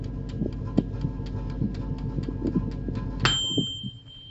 修饰键在计算机领域指电脑键盘上的一些用于组合按键的特殊按键。